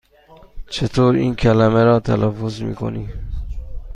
چطور این کلمه را تلفظ می کنی؟